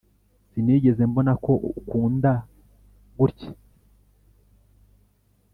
sinigeze mbona ko ukunda gutya.